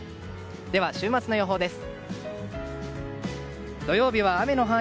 では、週末の予報です。